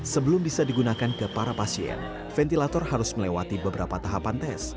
sebelum bisa digunakan ke para pasien ventilator harus melewati beberapa tahapan tes